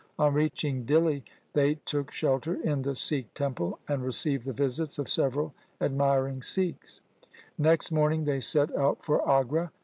On reaching Dihli they took she ter in the Sikh temple and received the visits of several admiring Sikhs. Next morning they set out for Agra.